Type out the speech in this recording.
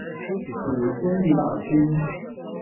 属京畿大区。